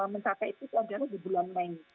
mencatat itu adalah di bulan mei